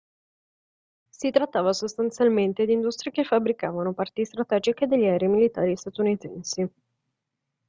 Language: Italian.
Si trattava sostanzialmente di industrie che fabbricavano parti strategiche degli aerei militari statunitensi.